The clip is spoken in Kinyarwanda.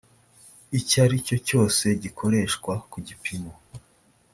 icyo ari cyo cyose gikoreshwa ku gipimo